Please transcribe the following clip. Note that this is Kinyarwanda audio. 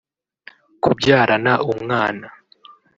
kubyarana umwana